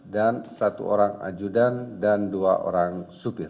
dan satu orang ajudan dan dua orang supir